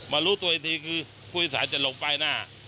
รู้ตัวอีกทีคือผู้โดยสารจะหลงป้ายหน้า